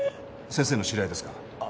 先生の知り合いですか？